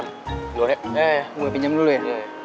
mau pinjam dulu ya